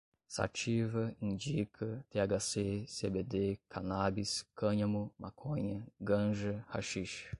sativa, indica, thc, cbd, canábis, cânhamo, maconha, ganja, haxixe